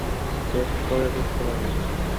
বেশ, পরে বুঝতে পারবি।